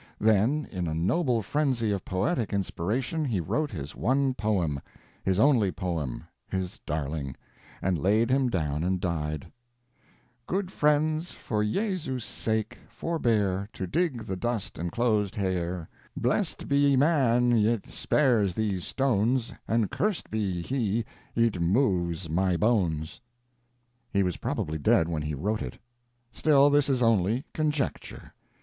Then in a noble frenzy of poetic inspiration he wrote his one poem—his only poem, his darling—and laid him down and died: Good friend for Iesus sake forbeare To digg the dust encloased heare: Blest be ye man yt spares thes stones And curst be he yt moves my bones. He was probably dead when he wrote it. Still, this is only conjecture.